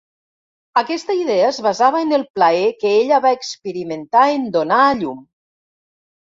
Aquesta idea es basava en el plaer que ella va experimentar en donar a llum.